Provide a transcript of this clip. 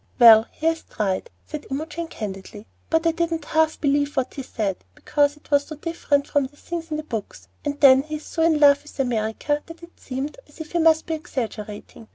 "Well, he has tried," said Imogen, candidly, "but I didn't half believe what he said, because it was so different from the things in the books. And then he is so in love with America that it seemed as if he must be exaggerating.